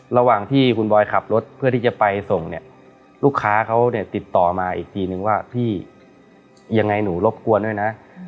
ระหว่างที่คุณบอยขับรถเพื่อที่จะไปส่งเนี่ยลูกค้าเขาเนี่ยติดต่อมาอีกทีนึงว่าพี่ยังไงหนูรบกวนด้วยนะ